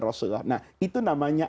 rasulullah nah itu namanya